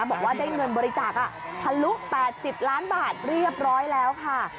บอกว่าได้เงินบริจาคทะลุ๘๐ล้านบาทเรียบร้อยแล้วค่ะ